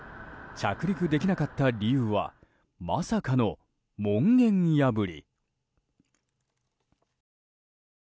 着陸できなかった理由はまさかの門限破り。